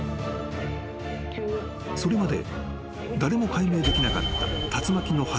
［それまで誰も解明できなかった］